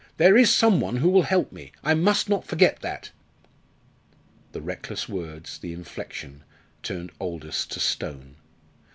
There is some one who will help me. I must not forget that!" The reckless words, the inflection, turned Aldous to stone.